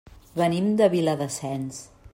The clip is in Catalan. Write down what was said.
Venim de Viladasens.